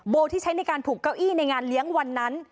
ที่ใช้ในการผูกเก้าอี้ในงานเลี้ยงวันนั้น